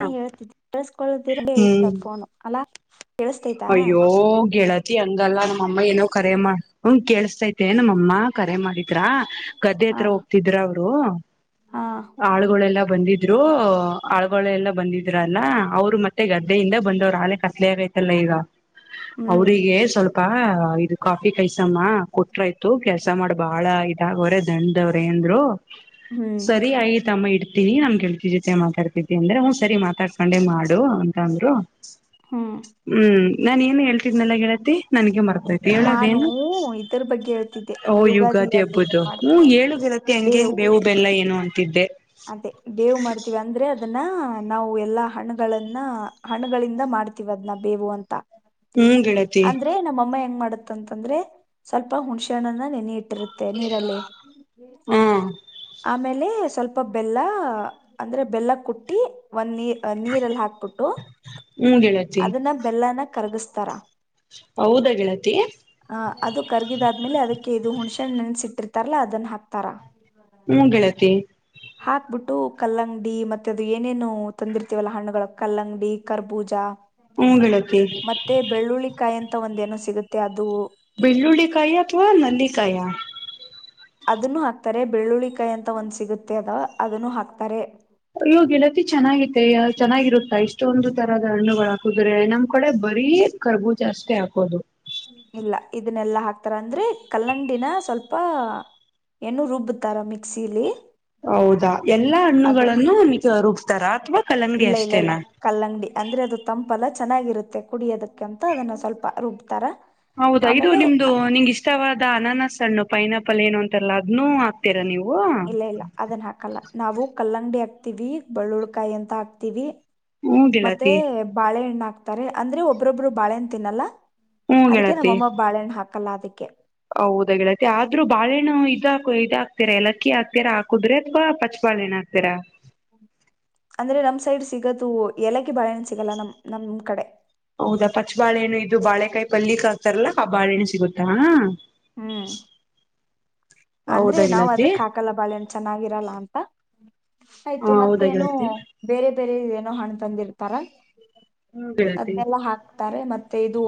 ನೀ ಹೇಳ್ತಿದ್ದಿ ಕಳ್ಸ್ಕಳದಿರ್ಗ ಹ್ಮ್ ಇತ ಫೋನು ಅಲಾ. ಅಯ್ಯೋ ಗೆಳ ತಿ ಹಂಗಲ್ಲಾ ನಮ್ಮ ಅಮ್ಮ ಏನೋ ಕರೆ ಮಾಡ ಹ ಕೇಳಸ್ತೈತೆ ನಮ್ಮಅಮ್ಮ ಕರೆ ಮಾಡಿದ್ರಾ. ಗದ್ದೆ ಹ ಹತ್ರ ಹೋಗ್ತಿದ್ರ ಅವರು. ರು. ಹಾ ಆಳುಗಳೆಲ್ಲ. ಬಂದಿದ್ರು. ಆಳ್ಗಳೆಲ್ಲ ಬಂದಿ‌. ರಾನಾ ಅವ್ರು ಮತ್ತೆ ಗದ್ದೆಯಿಂದ ಬಂದವರು ಆಲೆ ಕತ್ತಲೆ ಆಗೈ ಎಲ್ಲ ಈಗ. ಹ್ಮ್ ಅವ್ರಿಗೆ ಸ್ವಲ್ಪ ಇದು ಕಾಫಿ, ಕೈಸಮ್ಮ ಕೊಟ್ರ ಆಯ್ತು ಕೆಲ್ಸ ಮಾಡ ಬಾಳ ಇದ್ [unintelligible] ದಂಡವ್ರೆ ಎಂದ್ರು. ಹ್ಮ್ ಸರಿ ಆಯ್ತಮ್ಮ ಇಡ್ ಡ್ತೀನಿ ನಮ್ಗೆಳ್ತಿ ಜೊತೆ ಮಾತಾಡ್ತಿತಿ ಅಂದ್ರ ಹೂ ಸರಿ ಮಾತಾಡಸ್ ಮಂಡೇ ಮಾಡು ಅಂತ ಅಂದ್ರು. ಹ್ಮ್ ಹ್ಮು ನಾನ ಏ ಹೇಳ್ತಿದ್ನೆಲ್ಲ ಗೆಳತಿ ನನಗೆ ಮರ್ತೈತಿ ಹೇಳ ನಾನು ಅದೇನ. ಇದ್ರ ಬಗ್ಗೆ ಹೇಳ್ತಿದ್ದೆ ಓ ಯುಗಾದಿ ಯುಗಾದಿಯಲ್ಲಿ ಏನ್ ಹಬ್ಬುದು ಹ್ಮು ಮಾಡ್ತೀವಿ ಅಂತ ಹೇಳು ಗೆಳತಿ ಹೆಂಗೆ ಬೇವು, ಬೆಲ್ಲ ಏನು ಅ ತ್ತಿದ್ದೆ ಅದೇ ಬೇವು ಮಾಡ್ತೀವಿ ಅಂದ್ರೆ ಅ ಅದನ್ನ ನಾವು ಎಲ್ಲಾ ಹಣುಗಳನ್ನ ಹಣಗಳಿಂದ ಮಾಡ್ತೀವಿ ಅದ್ನ್ ಬೇವು ಅಂತಾ. ಹ್ಮ್ ಗೆಳತಿ ಅಂದ್ರೆ ನಮ್ಮಮ್ಮ ಹೆಂಗ್ ಮಾಡ ತನಂತಂದ್ರೆ ಸ್ವಲ್ಪ ಹುಣಸೆ ಹಣ್ಣನ್ ನೆನಿ ಇಟ್ಟಿರು ತ್ತೆ ನೀರಲ್ಲಿ ಹಾ ಆಮೇ ಲ್ಲಿ ಸ್ವಲ ಪಬ್ಬ್ ಬೆಲ್ಲ ಅಂದ್ರೆ ಬೆಲ್ಲ ಕುಟ್ಟಿ ಒಂದ ನೀರ್ ನೀರಲ್ಲಿ ಹಾಕ್ಬಿಟ್ಟು ಹ್ಮ್ ಗೆಳತಿ ಅದನ್ನ ಬೆಲ್ಲ ಕರ್ಗಸ್ ತರಾ ಹೌದಾ ಗೆಳತಿ ಹ ಅದು ಕರ್ಗಿದಾದ್ಮೇಲೆ ಅದಕ್ಕೆ ಇದು ಹುಣಿ ಹುಣಸೆ ಹಣ್ಣನ್ ಇಟ್ಟಿರ್ತಾರಲ್ಲಾ ಅದನ್ನ ಹಾಕ್ತಾರಾ. ಹೂ ಗೆಳತಿ. ಹಾಕ್ಬಿಟ್ಟು ಕಲ್ಲಂಗಡಿ ಮತ್ತೆ ಅದು ಏನೇನು ತಂದಿರ್ತಿವಲ್ಲ ಹಣ್ಣುಗಳ ಕಲ್ಲಂಗಡಿ, ಕರ್ಬೂಜ ಹ್ಮ್ ಗೆಳತಿ ಮತ್ತೆ ಬೆಳ್ಳುಳ್ಳಿಕಾಯಿ ಅಂತ ತ್ತ ಒಂದ ಏನೋ ಸಿಗುತ್ತೆ ಅದು ಬೆಳ್ಳುಳ್ಳಿಕಾಯಿ ಅಥವಾ ನಲ್ಲಿಕಾಯ. ಅದನ್ನು ಹಾಕ್ತಾರೆ ಬೆಳ್ಳುಳ್ಳಿಕಾಯಿ ಅಂತ ಒಂದ್ ಸಿಗುತ್ತೆ ಅದ ಅದನ್ನು ಹಾಕ್ತಾರೆ. ಅಲ್ಲೂ ಗೆಳತಿ ಚೆನ್ನಾಗೈತೆಯ ಚೆನ್ನಾಗಿರುತ್ತಾ ಇಷ್ಟೊಂದು ತರಹದ ಹಣ್ಣುಗಳ ಬರೇ ನಮ್ ಕಡೆ ಬರೀ ಕರ್ಬುಜಾ ಅಷ್ಟೇ ಹಾಕೋದು. ಇಲ್ಲಾ ಇದನ್ನ ಎಲ್ಲಾ ಹಾಕ್ತಾರ ಅಂದ್ರೆ ಕಲ್ಲಂಡಿನ ಸ್ವಲ್ಪ ಹೆಣ್ಣು ರುಬ್ಬುತಾರಾ ಮಿಕ್ಸಿಯಲಿ. ಹೌದಾ ಎಲ್ಲಾ ಹಣ್ಣುಗಳನ್ನು ನಿಕ ರುಬ್. ತ್ತರಾ. ಇಲ್ಲ ಇಲ್ಲೆ ಇಲ್ಲಾ ಕಲ್ಲಂಗಡಿ ಅಂದ್ರೆ ಅದು ತಂಪ್ ಬಲ ಚೆನ್ನಾಗ ಇರುತ್ತೆ ಕುಡಿಯೋದಕ್ಕೆ ಅಂತ ಅದನ್ನು ಸ್ವಲ್ಪ ರುಬ್ತಾರಾ. ಹೌದ ಐದು ನಿಮ್ದು ನಿಂಗ ಇಷ್ಟವಾದ್. ದಾ ಅನಾನಸ ಅನ್ನು ಪೈನಾಪಲ್ ಏನು ಅಂತ ಎಲ್ಲ ಅದ್ನು ಹಾಕಬೇಕ. ಇಲ್ಲೇ ಇಲ್ಲಾ ಅದನ್ ಹಾಕಲ್ಲಾ ನಾವು ಕಲ್ಲಂಗಡಿ ಹಾಕ್ತಿದಿಕ ಬೆಳ್ಳುಳ್ಕಾಯಿ ಅಂತ ಹಾಕ್ತಿಬಿ. ಹ್ಮ್ ಮತ್ತೆ ಗೆಳತಿ ಬಾಳೆಹಣ್ಣಾ ಹಾಕ್. ಆಗ್ತಾರೆ ಅಂದ್ರೆ ಒಬ್ಬ್ರೊಬ್ರು ಬಾಳೆಹಣ್ ತಿನ್ನಲ್ಲಾ. ಹ್ಮ್ ಅದಕ್ಕೆ ನಮ್ಮ ಅಮ್ಮ ಬಾಳೆಹಣ್ಣ ಹಾಕ್ ಕಲ್ಲಾ ಅದಿಕ್ಕೆ. ಹೌದ ಗೇಳತಿ ಆದ್ರು ಬಾಳೆಹಣ್ಣು ಇದಾಕು ಇದ ಹಾಕ್ತಿರಾ ಎಲಕ್ಕಿ ಹಾಕ್ತೀರಾ ಹಾ ಕುದ್ರೆ ಅಥವಾ ಪಚ್ಚ ಪಾಣಿನ ಹಾಕ್ತಿರಾ. ಅಂದ್ರೆ ನಮ್ ಸೈಡ್ ಸಿಗತು ಎಲಕ್ಕಿ ಬಾಳೆಹಣ್‌ ಸಿಗಲ್ಲಾ ನಮ್ ನಮ್ ಕಡೆ. ಹೌದಾ ಪಚ್ಚ ಬಾಳೆಣು ಇದು ಬಾಳೆಕಾಯಿ ಪಲ್ಲಿ ಕಳಸ್ತಾರಲ್ಲಾ ಆ ಬಾಳೆಹಣ್ಣ ಸಿಗುತ್ತಾ ಹಣಾ. ಹ್ಮ್. ಅಂದ್ರೆ ಹೌದಾ ನಾವ್ ಗೆಳತಿ ಅದಕ್ ಹಾಕಲ್ಲಾ ಬಾಳೆ ಹಣ್ ಚೆನ್ನಾಗ ಇರಲ್ಲಾ ಅಂತಾ ಆಯ್ತು ಹಾ ಮತ್ತ್ ಹೌದಾ ಏನು ಗೆಳತಿ ಬೇರೆ ಬೇರೆ ಇದ ಏನ್. ರ ಹಣ್ ತಂದಿರ್ತಾರಾ. ಹ್ಮ್ ಗೆಳತಿ ಅದ್ನೆಲ್ಲಾ ಹಾಕ್ತಾರೆ ಮತ್ತೆ ಇದು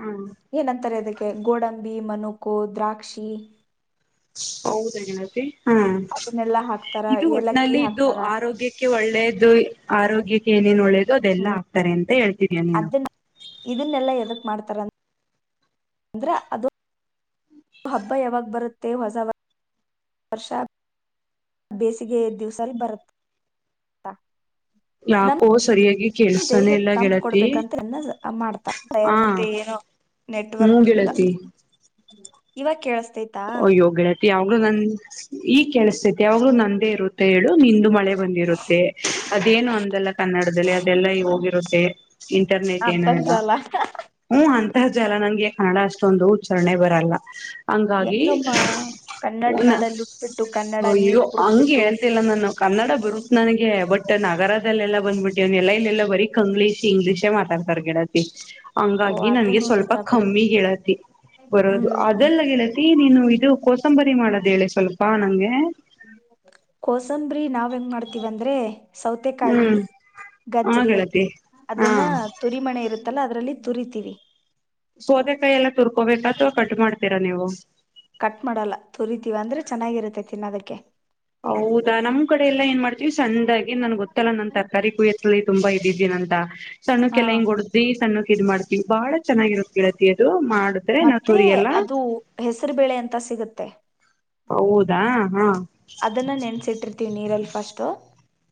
ಹ್ಮ್ ಏನ ಅಂತಾರೆ ಅದಕ್ಕೆ. ಏ ಗೋಡಂಬಿ ಮನುಕು ದ್ರಾಕ್ಷಿ. ಹೌದ ಗೆನತಿ. ಹ್ಮ ಅದನ್ನೆಲ್ಲಾ ಹಾಕ್ತಾರ, ಇದು ಏಲಕ್ಕಿ ಒಟ್ಟನಲ್ಲಿ ಇದ್ದು ಹಾಕ್ತಾರ ಆರೋಗ್ಯಕ್ಕೆ ಒಳ್ಳೇದ್ದೊಯಿ ಆರೋಗ್ಯಕ್ಕೆ. ತೇಲಿ ನೊಳ್ಳೇದು ಅದ ಎಲ್ಲಾ ಹ್ಮ್ ಹಾಕ್ತಾರೇನ್. ಅದನ್ನ ಇದನ್ನೆಲ್ಲಾ ಎದಕ್. ಮಾಡತ್ತರಾಅನ್. ಅಂದ್ರ ಅದು ಹಬ್ಬ ಯಾವಾಗ ಬರುತ್ತೆ ಹೊಸ ವರ್ಷ ಬೇಸಿಗೆಯ ದಿವ್ಸಲ್ ಬರುತ್ ತ್ತಾ. ಯಾಕೋ ಸರಿಯಾಗಿ. ಕೇಳ್ಸ್ತಾನೆ ದೇಹಕ ಇಲ್ಲ ತಂಪ್ ಗೆಳತಿ ಕೊಡ್ಬೇಕ ಅಂತೆ ಅನ್ನಝ ಅಮ್ ಮಾಡ್ತಾರೆ ತಾಯ್ರ್ ಹಾ ಮತ್ತಿ ಏನೋ ಹ್ಮೂ ನೆಟ್ವರ್ಕ್ ಇಂದಾ. ಗೆಳತಿ ಇವಾಕ ಕೇಳಸ್. ಆಯ್ತಾ‌. ಯಾವ್ಲೂ ನಂದ ಈಗ್ ಕೇಳಿಸತೈತಿ ಯಾವಾಗ್ಲೂ ನಂದೇ ಇರುತ್ತೆ ಹೇಳ್. ನಿಂದು ಮಳೆ ಬಂದಿರುತ್ತೆ ಅದೇನು ಅಂದಲ್ಲ ಕನ್ನಡದಲ್ಲಿ ಅದೆಲ್ಲಾ ಈಗ ಹೋಗಿರುತ್ತ. ತೆ. ಇಂಟರ್ನೆಟ್ ಏನು ಅಲ್ಲ ಅಂತರ್ಜಾಲ ಹು ಅನ್. ಜಾಲ ನಂಗೆ ಕನ್ನಡ ಅಷ್ಟೊಂದು ಉಚ್ಚಾರಣೆ ಬರಲ್ಲ. [unintelligible] ಹೆಂಗಮ್ಮ ಕನ್ನಡ ನಾಡಲ್ಲಿ ಹುಟ್ಬಿಟ್ಟು ಕನ್ನಡ ನೀರ್ ಅಯ್ಯೋ ಹಂಗ ಕುಡ್ದ್ಬಿಟ್ಟು ಹೇಳ್ತಿಲ್ಲ ನಾನು ಕನ್ನಡ ಬರುತ್ ನನಗೆ ಬಟ್ ನಗರ. ಅಲ್ಲೆಲ್ಲ ಬಂದಬ್ಬಿಟ್ಟಿ ಅವ್ ಎಲ್ಲ ಬರಿ ಕಂಗ್ಲೀಷ್ ಇಂಗ್ಲಿಷೆ ಮಾತಡ್ತಾರೆ ಗೆಳ ತಿ ಓ ಹಂಗಾಗಿ ನನ್ಗೆ ಅದನ್ನು ಸ್ವಲ್ಪ ನಿಜ ಬಿಡು. ಕಮ್ಮಿ ಗೆಳತಿ ಬರೋದು ಹ್ಮ್ ಅದೆಲ್ಲ ಗೆಳತಿ. ನೀನು ಇದು ಕೋರ್ಸ್. ಕೊತ್ತಂಬರಿ ಹ್ಮ್ ಮಾಡೋದ ಹೇಳೆ ಸ್ವಲ್ಪ ನನಗೆ. ಬ್ರಿ ನಾವ್ ಹೆಂಗ ಮಾಡ್ತೀವಿ ಅಂದ್ರೆ. ಸೌತೆಕಾಯಿ ಹ್ಮ್ ಹಾ ಗಜ್ಜರಿ ಗೆಳತಿ ಹಾ ಅದನ್ನ ತುರಿಮನೆ ಇರು ಅಲ್ಲ ಅದ್ರಲ್ಲಿ ತುರಿತೀವಿ. ಸೋತೆ ಕಾಯಿ ಎಲ್ಲ ತುರ್ಕೋಬೇಕ ಅಥವಾ. ಕಟ್ ಮಾಡ್ತೀರಾ ನೀವು. ಕಟ್ ಮಾಡಲ್ಲ ತುರಿತೀವಿ ಅಂದ್ರೆ ಚೆನ್ನಾಗಿರುತ್ತೆ ತಿನ್ನದಕ್ಕೆ. ಹೌದಾ ನಮ್ ಕಡೆ ಎಲ್ಲಾ ಏನ್ ಮಾಡ್ತಿವಿ ಸಣ್ಣದಾಗಿ ನನ್ ಗೊತ್ತಲ್ಲ ನನ್ ತರಕಾರಿ ಕುಯ್ಯತ್ತ ತುಂಬಾ ಇದಿದ್ದೀನಂತ. ಹಾ ಸಣ್ಣಕೆಲ್ಲ ಹಿಂಗೊಡ್ದಿವಿ ಸಣ್ಣ ಕ್ಕಿದ್ ಮಾಡ್. ಬಹಳ ಚೆನ್ನಾಗಿರುತ್ತೆ. ಕಳತಿಯದು. ಮತ್ತೆ ಅದು ಹೆಸರುಬೇಳೆ ಅಂತ ಸಿಗು. ತ್ತೆ. ಹೌದಾ ಹಾ ಅದನ್ನ ನೆನ್ಸಿಟ್ಟಿರ್ತೀವಿ ನೀರಲ್ಲಿ ಫಸ್ಟ್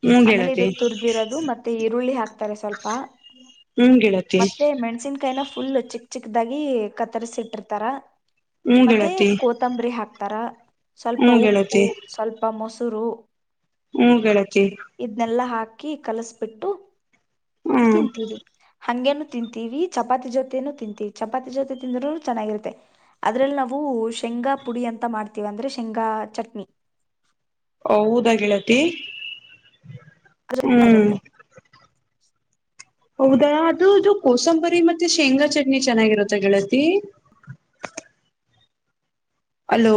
ಹ್ಮ್ ಆಮೇಲೆ ಇದು ಗೆಳತಿ ತುರ್ದಿರೋದು ಮತ್ತೆ ಉಳ್ಳಿ ಹಾಕ್ತಾರೆ ಸ್ವಲ್ಪ. ಹ್ಮ್ ಗೆಳತಿ ಮತ್ತೆ ಮೆಣಸಿನ್ಕಾಯಿನ. ಫುಲ್ ಚಿಕ್ ಚಿಕ್ದಾಗಿ ಕತ್ತರ್ಸಿ ಇಟ್ಟಿರ್ತಾರ. ಹ್ಮ್ ಮತ್ತೆ ಗೆಳತಿ ಕೊತಂಬ್ರಿ ಹಾಕ್ ಪರಾ [inaudible] ಸ್ವಲ್ಪ ಹ್ಮ್ ಉಪ್ಪು ಗೆಳತಿ [unintelligible] ಮೊಸುರು ಹ್ಮ್ ಗೆಳತಿ ಕಿ ಕಲಿಸ್ಬಿಟ್ಟು [inaudible] ಹ್ಮ್ ತಿಂತೀರಿ ಹಂಗೇನು ತಿಂತೀವಿ ಚಪಾತಿ ಜೊತೇನು ತಿಂತೀವಿ ಚಪಾತಿ ಜೊತೆ ತಿಂದ್ರೂನು ಚೆನ್ನಾಗಿರುತ್ತೆ. ಅದ್ರಲ್ಲಿ ನಾವು ಶೇಂಗಾ ಪುಡಿ ಅಂತ ಮಾಡ್ತೀವಿ ಅಂದ್ರೆ ಶೇಂಗಾ ಚಟ್ನಿ. ಹೌದ ಗೆಳತಿ. ಹ್ಮ್ [unintelligible] ಹೌದಾ ಅದು ಇದು ಕೋಸಂಬರಿ ಮತೆ ಶೇಂಗಾ ಚಟ್ನಿ ಚೆನಾ ಗಿರುತ ಗೆಳತಿ. ಅಲೋ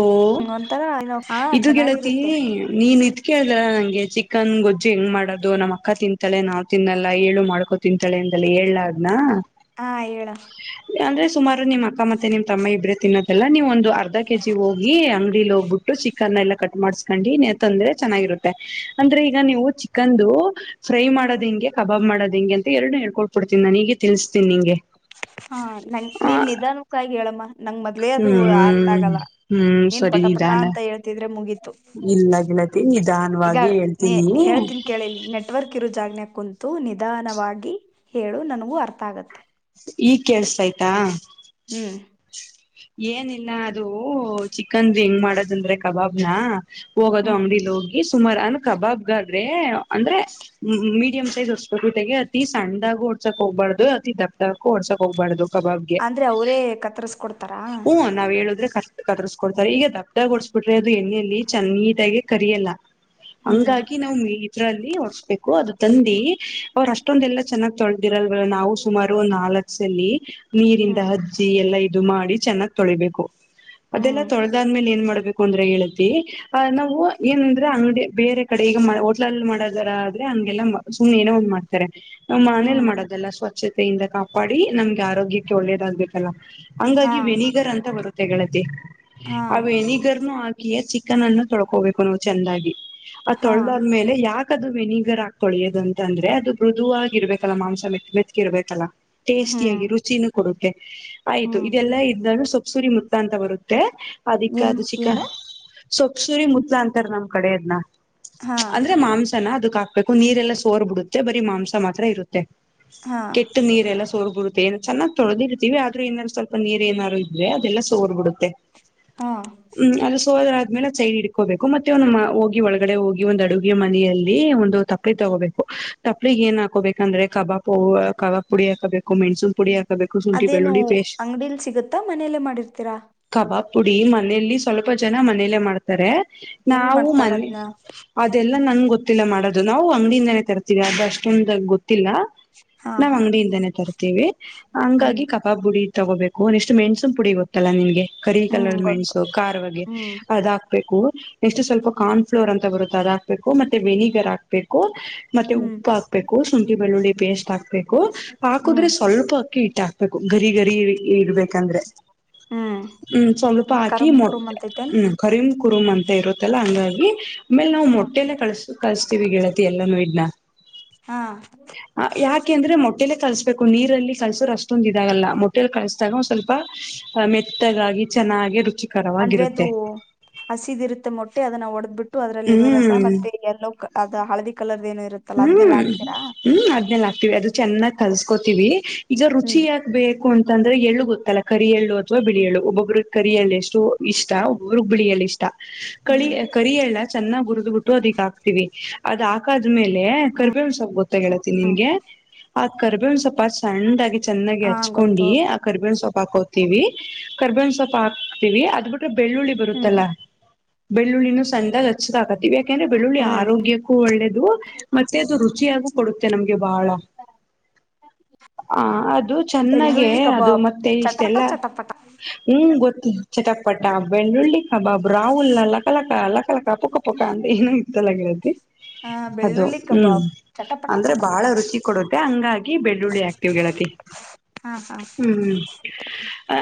ಒಂಥರ ಏನೋ ಹಾ ಇದು ಗೆಳತಿ ಚೆನ್ನಾಗಿರುತ್ತೆ ನೀನ್ ಇದ್ಕೇಳ್ದಲ್ಲ ನಂಗೆ ಚಿಕನ್ ಗೊಜ್ಜು ಹೆಂಗ್ ಮಾಡೋದು ನಮ್ಮ್ ಅಕ್ಕ ತಿಂ ತಲೆ ನಾವ್ ತಿನ್ನಲ್ಲಾ ಏಳು ಮಾಡ್ಕೊ ತಿಂತಳೆ ಎಂದಲ್ಲ ಹೇಳ್ಲಾ ಅದ್ನ. ಹಾ ಹೇಳ [inaudible] ಅಂದ್ರೆ ಸುಮಾರು ನಿಮ್ ಅಕ್ಕ ಮತ್ತೆ ನಿಮ್ ತಮ್ಮ ಇಬ್ರೇ ತಿನ್ನದು ಎಲ್ಲ ನೀವ್ ಒಂದು ಅರ್ ಕೆ ಜಿ ಹೋಗಿ ಅಂಗ್ಡಿಲಿ ಹೋ ಗುಟ್ಟ್ ಸಿಕನ್ ಎಲ್ಲ ಕಟ್ ಮಾಡ್ಸ್ಕೊಂಡಿ ತಂದ್ರೆ ಚೆನ್ನಾಗಿರುತ್ತೆ ಅಂದ್ರೆ ಈಗ ನೀವು ಚಿಕನ್ದು ಫ್ರೈ ಮಾಡದೆಂಗೆ ಕಬಾಬ್ ಮಾಡದೆಂಗೆ ಅಂತ ಎರಡು ಹೇಳ್ಕೊಟ್ಬಿಡ್ತಿನ್ ನನಿಗೆ ಹಾ ನಂಗ್ ಆ ನೀನ್ ನಿಧಾನಕ್ಕಾಗ್ ಹೇಳಮ್ಮ ನಂಗ್ ಮೊದ್ಲೇ ಅದು ಅರ್ಥ್ ಹ್ಮ್ ಆಗಲ್ಲ. ಹ್ಮ್ ಸರಿ ನಿದಾನ. ಮುಗಿ [inaudible] ಇಗ ನಿಧಾನವಾಗಿ ನೀ ಹೇಳ್ತೀನಿ ಹೇಳ್ತೀನ್ಕೇಳಿಲ್ಲಿ ನೆಟ್ವರ್ಕ್ ಇರೋ ಜಾಗ್ಞ ಕುಂತು ನಿಧಾನವಾಗಿ ಹೇಳು ನನಗೂ ಅರ್ಥ ತ್ತಾಗತ್ತೆ. ಈಗ್ ಕೇಳ್ಸ್ ತೈಯ್ತಾ. ಹ್ಮ್ [inaudible] ಏನಿಲ್ಲ ಅದು ಚಿಕನ್ ಹೆಂಗ್ ಮಾಡುದಂದ್ರೆ ಕಬಾಬ್ನ. ಹೋಗೋದು ಹ್ಮ್ ಅಂಗ್ಡಿಲಿ ಹೋಗಿ [unintelligible] ಕಬಾಬ್ಗಾದ್ರೆ ಅಂದ್ರೆ ಮೀಡಿಯಂ ಸೈಜ್ ಹೊಡ್ಸ್ ಗೊತೆೆಗೆ ಅತಿ ಸಣ್ಣಾಗ ಹೊಡ್ಸಕ್ ಹೋಗ್ಬಾರ್ದು ಅತಿ ದಪ್ಪಕು ಹೊಡ್ಸಕ್ ಹೋಗ್ಬಾರ್ದು. ಕಬಾಬ್ಗೆ ಅಂದ್ರೆ ಅವರೇ ಕತ್ರರ್ಸ್ಕ ಕೊಡ್ ಹೂ ನಾವ್ ಹೇಳುದ್ರೆ ಕರ್ ಕತ್ರರ್ಸ್ಕೊಡ್ತಾರೆ ಈಗ [unintelligible] ಅದು ಎಣ್ಣೆೆಯಲ್ಲಿ ಚೆ ನೀಟಾಗಿ ಕರಿಯಲ್ಲ. ಹ್ಮ್ ಹಂಗಾಗಿ ನಾವ್ ಇದ್ರಲ್ಲಿ ಓಡಸ್ಬೇಕು ಅದು [unintelligible] ಅವ್ರ ಅಷ್ಟೊಂದೆಲ್ಲ ಚೆನ್ನ ತೊಳ ರಲ್ ನಾವು ಸುಮಾರು ನಾಲ್ಕ ದಲ್ಲಿ ನೀರಿಂದ ಹ್ಮ್ ಅಜ್ಜಿ ಎಲ್ಲಾ ಇ ದು ಮಾಡಿ ಚೆನ್ನಾಗ್ ತೊಳಿಬೇಕು. ಅದೆಲ್ಲ ಹ್ಮ್ ತೊಳೆದಾದ್ಮೇಲೆ ಏನ್ ಮಾಡ್ ಕು ಅಂದ್ರೆ ಗೆಳ್ತಿ ಆ ನಾವು ಏನಂದ್ರೆ ಅಂಗಡಿ ಬೇರೆ ಕಡೆ ಈಗ ಹೋಟ್ಲಲ್ ಮಾಡೋದರ ಆದ್ರೆ ಹಂಗೆಲ್ಲ ಸುಮ್ಮನೆ ಏನೇ ಒಂದ್ ಮಾಡ್ತಾರೆ ನ್ ಮನೇಲಿ ಹ್ಮ್ ಮಾಡೋದಲ್ಲ ಸ್ವಚ್ಛತೆಯಿಂದ ಕಾಪಾಡಿ ನಮ್ಗೆ ಆರೋಗ್ಯಕ್ಕೆ ಒಳ್ಳೇದಾಗ್ಬೇಕಲ್ಲ ಹಾ ಈ ವೇಣಿಗರ್ ಅಂತ ಬರು ತೆ ಗಳತಿ. ಹಾ ಆ ವೇಣಿಗರನ ಹಾಕಿಯ ಚಿ [unintelligible] ತೊಳ್ಕೋಬೇಕು [unintelligible] ಚೆಂದಾಗಿ. ಆ ಹಾ ತೊಳೆದಾದ್ಮೇಲೆ ಯಾ ಅದು ವೆನಿಗರ್ ಹಾಕ ತೊಳಿಯೋದ್ ಅಂತಂದ್ರೆ ಅದು ಮೃದುವಾಗಿ ಇರ್ಬೇಕಲ್ಲ ಮಾಂಸ ಮೆತ್ ಮೆತ್ಕಿರ್ಬೇಕಲ್ಲಾ. ಹ್ಮ್ ಟೇಸ್ಟಿಯಾಗಿ ರುಚಿನೂ ಕೊಡುತ್ತೆ ಆಯ್ತು. ಹ್ಮ್ ದನು ಸೊಬ್ಸುರಿ ಮುತ್ತ ಅಂತ ಬರುತ್ತೆ. ಅದಕ್ಕ ಏನ್ ಅದು ಚಿಕ್ಕ ಏನು ಸೊಪ್ಸೂರಿ ಮುತ್ಲ ಅಂತಾರ ನಮ್ ಕಡೆ ಅದ್ನ. ಹಾ ಅಂದ್ರೆ ಮಾಂಸನ ಅದಕ ಹಾ ಬೇಕು ನೀರೆಲ್ಲಾ ಸೋರ್ ಬಿಡುತ್ತೆ ಬರೀ ಮಾಂಸ ಮಾತ್ರ ಇರುತ್ತೆ. ಹಾ ಕೆಟ್ಟ ನೀರ ಎಲ್ಲ ತೋರ್ಬಿುತ್ತೆ ಏನ್ ಚೆನ್ನ ತೊಳ್ದಿರ್ತೀವಿ ಆದ್ರೆ ಇನ್ನ ಸ್ವಲ್ ನೀರ್ ಏನಾದಾರು ಇದ್ರೆ ಅದೆಲ್ಲಾ ಸೋರ್ ಬಿಡುತ್ತೆ. ಹಾ ಹ್ಮು ಅದು ಸೋ ಆಮೇಲೆ [unintelligible] ಹಿಡ್ಕೋಬೇಕು ಮತ್ತೆ ಒಂದು ಹೋಗಿ ಒಳಗಡೆ ಹೋಗಿ ಒಂದ್ ಅಡುಗೆ ಮನೆಯಲ್ಲಿ ಒಂದು ತಪ್ಲಿ ತಗೋಬೇಕು ತಪ್ಳಿಗ ಏನ್ ಹಾಕೋಬೇಕಂದ್ರೆ ಕಬಾಬ್, ಕಬಾಬ್ ಪುಡಿ ಹಾಕೋಬೇಕು ಮೆಣಸುನ್ ಪುಡಿ ಹಾ ಅದ ಏನು ಅಂಗಡಿ ಎಲ್ ಸಿಗುತ್. ತ್ತ ಮನೆಯಲ್ಲೇ ಮಾಡಿರತ್ತಿರಾ. ಹ ಪುಡಿ ಮನೇಯಲ್ಲಿ ಸ್ವಲ್ಪ ಜನಾ ಮನೇಲ್ಲೇ ಮಾಡುತ್ತಾರೆ. ಹೆಂಗ್ ನವು ಮಾಡ್ತಾರ ಮನ್ನ್ ಅದ್ನ ಅದ ಎಲ್. ನಂಗ್ ಗೊತ್ತಿಲ್ಲಾ ಮಾಡೋದು ನಾವು ಅಂಗಡಿಯಿಂದನೇ ತರ್ತಿವಿ ಅದು ಅಷ್ಟೊಂದು ಗೊತ್. ತ್ತಿಲ್ಲಾ ಹಾ ನಾವ್ ಹಾ ಅಂಗಡಿಯಿಂದನೇ ತರ್ತೇವಿ ಹ್ಮ್ ಹಂಗಾಗಿ ಕಪಾಬ್ ಬುಡಿ. ತ್ತೊಗೋಬೇಕ್. ಕೋನ್ ಇಷ್ಟು ಮೆಣಸನ್ ಪುಡಿ ಗೊತ್ತಲ್ಲಾ ನಿನ್ಗೆ. ಕರಿ ಹ್ಮ್ ಕಲರ್ ಗೊತ್ತು ಮೆಣ್ಸು ಖಾರ್ವಾಗಿ ಹ್ಮ್ ಅದ್ ಹಾಕ್ಬೇಕು. ನೆಕ್ಸಟು ಸ್ವಲ್ಪ ಕಾರ್ನ್ ಫ್ಲೋರ್ ಅಂತ ಬರುತ್ತ ಅದ ಹಾಕ್ಬೇಕು ಮತ್ತೆ ವೆನಿಗರ್ ಹಾಕ್ಬೇಕು. ಮತ್ತೆ ಹ್ಮ್ ಉಪ್ಪು ಹಾಕ್ಬೇಕು. ಹು ಶುಂಠಿ ಬೆಳ್ಳುಳಿ. ಪೇಸ್ಟ್ ಹಾಕ್ಬೇಕು ಹಾಕುದ್ರೆ ಹ್ಮ್ ಸ್ವಲ್ಪ. ಕೀಟಾ ಹಾಕಬೇಕು ಘರಿ ಗರಿ. ಇರಬೇಕ ಅಂದ್ರೆ ಹ್ಮ್ ಹ್ಮ್ ಸ್ವಲ್ಪ ಹಾಕಿ ಕರುಮ್ ಮೊಟ್ ಕುರುಮ್ ಅಂತೈತೆನ್ ಹ್ಮ್ ಖರಿಮ್ ಕುರುಮ್ ಅಂತೆ ಇರುತ್ತ ಎಲ್ಲ ಹಂಗಾಗಿ ಆಮೇಲೆ ನಾವು ಹಾ ಮೊಟ್ಟೆನೆ ಕಳ್ಸ ಕಳಸ್ತೀವಿ ಗೆಳತಿ ಎಲ್ಲಾನೂ ಇದ್ನಾ. ಹಾ ಹಾ ಯಾಕೆ ಅಂದ್ರೆ ಮೊಟ್. ಟ್ಟೆಲೆ ಕಳ್ಸಬೇಕು ನೀರಲ್ಲಿ ಕಲ್ಸೋರ ಅಷ್ಟೊಂದ ಇದಾ ಆಗಲ್ಲಾ ಮೊಟ್ಟೆಲಿ ಕಳ್ಸ. ಚಣೋ ಸ್ವಲ್ಪ್ ಮೆತ್ತಗಾಗಿ ಚೆನ್ನಾಗಿ ರುಚಿ. ಅಂದ್ರೆ ಅದು ಹಸಿದ ಇರುತ್ತೆ ಮೊಟ್ಟೆ ಅದನ್ನ ಒಡದ್. ಟ್ಟು ಅದರಲ್ಲಿ ಇರೋ ರಸಾ ಹ್ಮ್ ಮತ್ತೆ ಎಲ್ಲೋಕ. ಅದ ಹಳದಿ ಕಲರ್. ಹ್ಮ್ ಹ್ಮ್ ಅದ್ನೆೇಲ್ಲ ಹಾಕ್ತಿವಿ ಅದು. ಚೆನ್ನಾಗ್ ಕಲ್ಸ್ಕೋತೀವಿ. ಈಗ ರುಚಿ ಹ್ಮ್ ಯಾಕ್ಬೇಕ. ಕೊಂಡ ತಂದ್ರೆ ಎಳ್ಳು ಗೊತ್ತಲ್ಲ ಕರಿ ಎಳ್ಳು ಅಥವಾ ಬಿಳಿಯಳ್ಳು ಒಬ್ಬೊಬ್ರಿಗ ಕರಿಯಳ್ಳ ಎಷ್ಟು ಇಷ್ಟಾ ಒಬ್ಬ್ರಗ ಬಿಳಿಯಳ್ಳ ಇಷ್ಟಾ. ಹ್ಮ್ ಕಳಿಯ ಕರಿ ಎಳ್ಳ ಚೆನ್ನಾಗ್ ಹುರದ್ಬಿಟ್ಟು ಅದಇಗ ಹಾಕ್ತಿವಿ. ಅದ ಆಕಾಜ. ದ್ದುಮ್ಮೇಲೆ ಹ್ಮ್ ಕರ್ಬೇ ಹೂವಿನಸ ಗೊತ್. ತ್ತ ಗೆಳತಿ ನಿನ್ಗೆ. ಆದ್ ಕಾರ್ಬೆವಿನ್ಸೊಪ್ಪ ಸ್ವಪ್ಪ್ ಸಣ್ ದಾಗಿ. ಚೆನ್ನಾಗಿ ಹಾ ಗೊತ್ತು ಹಚ್ಕೊಂಡಿ ಆ ಕರಿಬೇಣ ಸೊಪ್ಪ್. ಹಾಕೋತೀವಿ ಕರ್ಬೇನ್ ಸೊಪ್ ಹಾಕ್ತಿವಿ ಅದ್ ಬಿಟ್ಟ್ ಬೆಳ್ಳುಳ್ಳಿ ಹ್ಮ್ ಬರುತ್ತಲ್ಲಾ ಬೆಳ್ಳುಳ್ಳಿನು ಸಂದ ಹಚ್ಚದಾಕತ್ತೀವಿ ಯಾಕೆಂದ್ರೆ ಬೆಳ್ಳುಳ್ಳಿ ಹ್ಮ್ ಆರೋಗ್ಯಕ್ಕೂ ಒಳ್ಳೇದು ಮತ್ತೆದು ರುಚಿಯಾಗು ಕೊಡುತ್ತೆ ನಮ್ಗ್ ಬಹಳ ಆ ಅದು ಚೆನ್ನಾಗೇ ಬೆಳ್ಳುಳ್ಳಿ ಅದು ಕಬಾಬ್ ಮತ್ತೆ ಚಟಪಟ ಇಷ್ಟೆಲ್ಲ ಚಟಪಟ ಹ್ಮ್ ಗೊತ್ ಚಟಪಟ ಬೆಳ್ಳುಳ್ಳಿ ಕಬಾಬ್ ರಾವುಲ್ಲ ಲಕ ಲಕ ಲಕ ಲಕ ಪುಕ ಪಕ ಅಂತ ಎನೋ [unintelligible] ಗೆಳತಿ ಹಾ ಅದು ಬೆಳ್ಳುಳ್ಳಿ ಹ್ಮ್ ಕಬಾಬ್ ಚಟಪಟ ಅಂದ್ರೆ ಬಾಳ ಚಟಪಟ ರುಚಿ ಕೊಡುತ್ತೆ ಹಂಗಾಗಿ ಬೆಳ್ಳುಳ್ಳಿ ಆಕ್ತವ್ ಗೆಳತಿ ಹಾ ಹಾ ಹ್ಮ್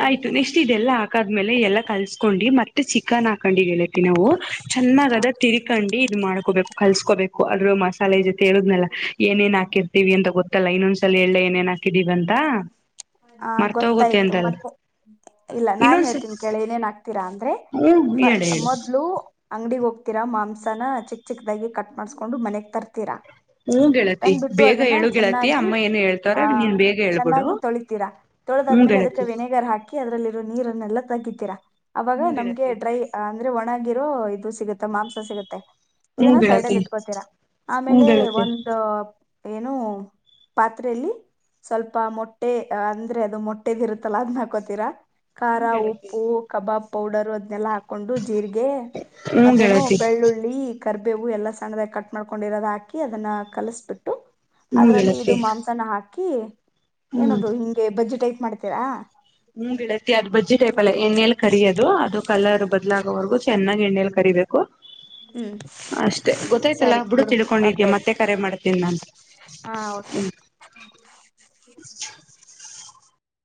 ಆಯ್ತು ನೆಕ್ಸ್ಟ್ ಇದೆಲ್ಲಾ ಹಾಕಾದ್ಮೇಲೆ ಎಲ್ಲ ಕಲ್ಸ್ಕೊಂಡು ಮತ್ತ್ ಚಿಕನ್ ಕಂಡಿ ಗೆಳತಿ ನಾವು ಚೆನ್ನಾಗದ ತಿರಿಕಂಡಿ [unintelligible] ಮಾಡ್ಕೋಬೇಕು ಕಲ್ಸ್ಕೋಬೇಕು ಕ್ ಮಸಾಲೆ ಜೊತೆ ಹೇಳೋದ್ನಲ್ಲ ಏನೇನ್ ಹಾಕಿರ್ತಿವಿ ಅಂತ ಗೊತ್ತಲ್ಲ ಇನ್ನೊಂದ್ಸಲ ಎಳ್ಳೆ ಏನ್ ಹ ಕಿದಿವಿ ಅಂತ. ಹ ಮರ್ತೋಗುತ್ತೆ ಗೊತ್ತಾಯ್ತು ಅಂತಲ್ಲ ಮತ್ತೆ ಇಲ್ಲ ನಾನ್ ಇನ್ನೊಂದ್ಸಲ ಹೇಳ್ತೀನಿ ಕೇಳಿ ಏನೇನ್ ಆಗ್ತೀರಾ ಅಂದ್ ಹ್ಮ ಹೇಳು [unintelligible] ಹೇಳು ಮೊದ್ಲು ಅಂಗ್ಡಿ ಹೋಗ್ ರ್ತೀರಾ ಮಾಂಸನ ಚಿಕ್ ಚಿಕ್ದಾಗಿ ಕಟ್ ಮಾಡ್ಸ್ಕೊಂಡು ಮನೆಗ್ ತರ್ತೀರ. ಹ್ಮಂ ಗೆಳತಿ ಬೇಗ ಹೇಳು ಗೆಳತಿ ಚೆನ್ನಾಗಿ ಅಮ್ಮ ಏನು ಹೇಳ್ತಾವ್ರೆ ನೀನ್ ಬೇಗ ಹೇಳ್ಬಿಡು. ತೊಳಿತಿರಾ ಹ್ಮ್ ತೋಲ್ದಾದ್ಮೇಲೆ ಅದಕ್ಕೆ ಗೆಳತಿ ವೆನೆಗರ್ ಹಾಕಿ ಅದರಲ್ಲಿರೋ ನೀರನ್ನ್ [unintelligible] ತಾಕಿತ್ತಿರಾ ಅವಾಗ ಹ್ಮ್ ನಮ್ಗೆ ಗೆಳತಿ ಡ್ರೈ ಆಮ್ ಅಂದ್ರೆ ಒಣಗಿರೋ ಇದು ಸಿಗುತ್ತೆ ಮಾಂಸ ಸಿಗುತ್ತೆ. ಹ್ಮ್ ಇದನ್ನ ಗೆಳತಿ ಸೈಡಲ್ಲಿ ಇಟ್ಕೊತೀರ ಹ್ಮ್ ಆಮೇಲೆ ಗೆಳತಿ ಒಂದ್ ಏನು ಪಾತ್ರೆಲಿ ಸ್ವಲ್ಪ ಮೊಟ್ಟ್ ಟ್ಟೆ ಅಂದ್ರೆ ಅದು ಮೊಟ್ಟೆದ್ ಇರುತ್ತಲ್ಲ ಅದ್ನ್ ಹಾಕೋತೀರಾ ಖಾರ ಹ್ಮ್ ಗೆಳತಿ ಉಪ್ಪು ಕಬಾಬ್ ಪೌಡರ್ ಅದ್ನೆಲ್ಲಾ ಹಾಕೊಂಡು ಜ್ ಜೀರಿಗೆ ಹ್ಮ್ ಮತ್ತೇನು ಗೆಳತಿ ಬೆಳ್ಳುಳ್ಳಿ ಕರ್ಬೇವು ಎಲ್ಲ ಸಣ್ಣದಾಗ ಕಟ್ ಮಾಡ್ಕೊಂಡು ಇರೋದ ಹಾಕಿ ಅದನ್ನ ಕಲಸ್ಬಿಟ್ಟು. ಹ್ಮ್ ಅದ್ರಲ್ಲಿ ಇದು ಗೆಳತಿ ಮಾಂಸನ ಹಾಕ್. ಕೀ ಏನದು ಹಿಂಗೆ ಬಜ್ಜಿ ಟೈಪ್. ಮಾಡ್ತೀರಾ. ಹ್ಮ ಗೆಳತಿ ಅದ್ ಬಜ್ಜಿ ಟೈಪ್ ಅಲ್ಲ ಎಣ್ಣೆಲಿ ಕರಿಯೆದ. ದು ಅದು ಕಲರ್ ಬದ್ಲ ವರ್ಗು ಚೆನ್ನಾಗಿ ಎಣ್ಣಲಿ ಕರಿಬೇಕು. ಹ್ಮ್ ಅಷ್ಟೆ ಗೊತ್ತಾಯ್ತಲ್ಲ ಸರಿ ಬಿಡು ತಿಳ್ಕೊಂಡಿದ್ಯಾ ಗೊತ್ತಾಯ್ತು ಮತ್ತೆ ಕರೆ ಮಾಡ್ತೇನಿ ನಾನ್ ಹಾ ಓಕೆ. ಹ್ಮ್.